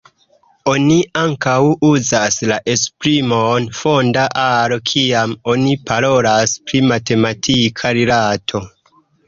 Oni ankaŭ uzas la esprimon «fonta aro» kiam oni parolas pri matematika rilato.